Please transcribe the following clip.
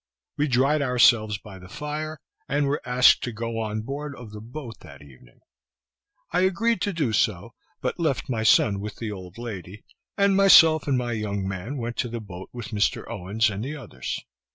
We dried ourselves by the fire, and were asked to go on board of the boat that evening. I agreed to do so, but left my son with the old lady, and myself and my young man went to the boat with Mr. Owens and the others.